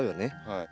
はい。